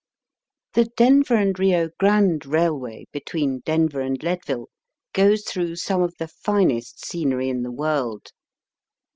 The Denver and Kio Grande Eailway between Denver and Leadville goes through some of the finest scenery in the world.